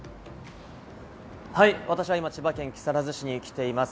はい、私は今、千葉県木更津市に来ています。